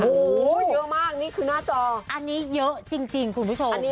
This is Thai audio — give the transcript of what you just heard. เอาโหเยอะมากนี่คือหน้าจออันนี้เยอะจริงควรพิชองอันนี้